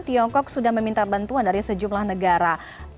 tiongkok sudah meminta bantuan dari sejumlah negara